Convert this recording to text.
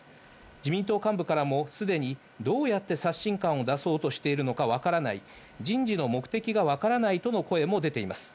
自民党幹部からも既にどうやって刷新感を出そうとしているのかわからない、人事の目的がわからないとの声も出ています。